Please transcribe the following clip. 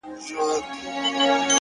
صبر د بېړې زیانونه کموي,